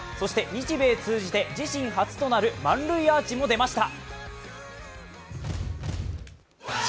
日米通じて自身初となる満塁アーチも出ました。